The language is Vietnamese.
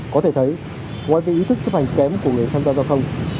có thể thấy ngoài cái ý thức chấp hành kém của người tham gia giao thông